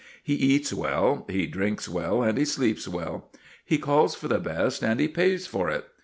He eats well, he drinks well, and he sleeps well. He calls for the best, and he PAYS for it.